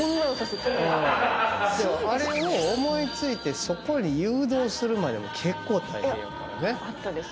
でもあれを思い付いてそこに誘導するまでも結構大変やからね。